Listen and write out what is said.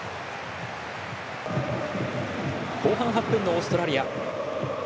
後半８分のオーストラリア。